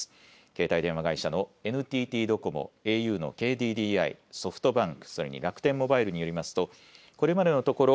携帯電話会社のＮＴＴドコモ、ａｕのＫＤＤＩ、ソフトバンク、それに楽天モバイルによりますとこれまでのところ